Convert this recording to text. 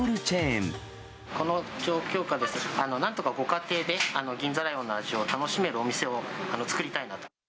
この状況下ですし、なんとかご家庭で銀座ライオンの味を楽しめるお店を作りたいなと。